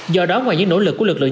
do đó ngoài những nỗ lực của lực lượng